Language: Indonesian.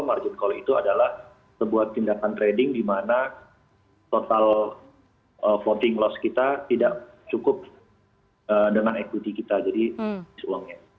margin call itu adalah sebuah tindakan trading di mana total voting loss kita tidak cukup dengan equity kita jadi uangnya